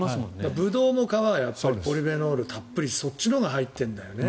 ブドウの皮もポリフェノールがたっぷりそっちのほうが入っているんだよね。